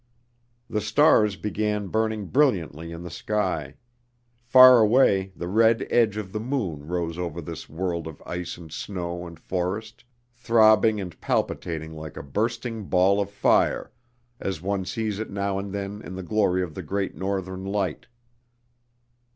The stars began burning brilliantly in the sky; far away the red edge of the moon rose over this world of ice and snow and forest, throbbing and palpitating like a bursting ball of fire, as one sees it now and then in the glory of the great northern night.